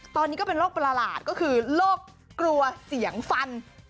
ตอนนี้ก็เป็นโรคประหลาดก็คือโรคกลัวเสียงฟัน